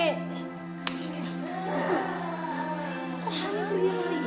kok hany pergi sama lino